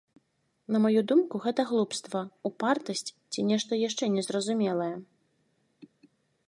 На маю думку, гэта глупства, упартасць ці нешта яшчэ незразумелае.